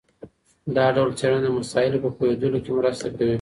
دا ډول څېړنه د مسایلو په پوهېدلو کي مرسته کوي.